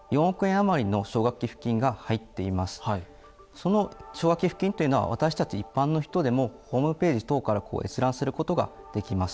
その奨学寄付金というのは私たち一般の人でもホームページ等から閲覧することができます。